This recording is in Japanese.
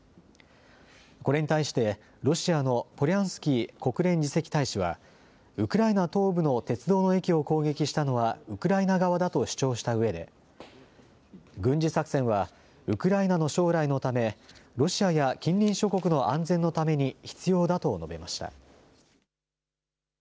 これに対してロシアのポリャンスキー国連次席大使はウクライナ東部の鉄道の駅を攻撃したのはウクライナ側だと主張したうえで軍事作戦はウクライナの将来のためロシアや近隣諸国の安全のために必要だと述べました。